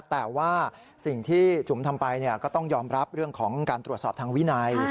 แต่ว่าสิ่งที่จุ๋มทำไปก็ต้องยอมรับเรื่องของการตรวจสอบทางวินัย